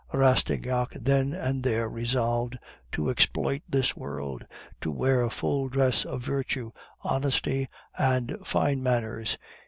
Rastignac then and there resolved to exploit this world, to wear full dress of virtue, honesty, and fine manners.